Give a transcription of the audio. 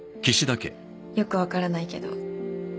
「よくわからないけど」